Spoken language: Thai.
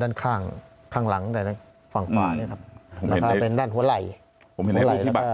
ด้านข้างข้างหลังฝั่งขวานี่ครับแล้วก็เป็นด้านหัวไหล่หัวไหล่แล้วก็